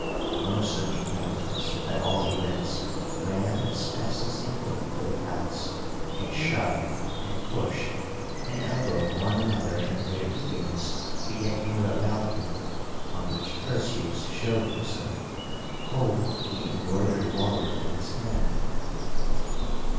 Most of the inhabitants, at all events, ran as fast as they could to the palace, and shoved, and pushed, and elbowed one another in their eagerness to get near a balcony, on which Perseus showed himself, holding the embroidered wallet in his hand.